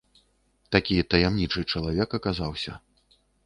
Такі таямнічы чалавек аказаўся.